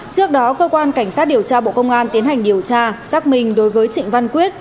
trước đó cơ quan cảnh sát điều tra bộ công an tiến hành điều tra xác minh đối với trịnh văn quyết